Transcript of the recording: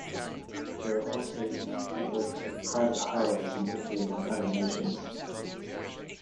There are also networks of private highways in Italy and other nations.